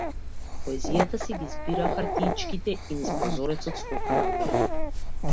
Поезијата си ги збира хартиичките и низ прозорецот скока надвор.